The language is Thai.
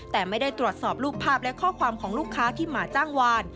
แต่ไม่ได้ตรวจสอบรูปภาพและข้อความของลูกค้าที่มาจ้างวาน